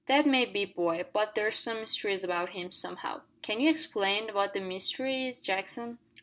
"That may be, boy, but there's some mystery about him, somehow." "Can ye explain what the mystery is, Jackson?"